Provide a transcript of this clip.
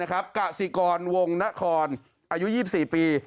กสิกรวงนครอายุ๒๔ปี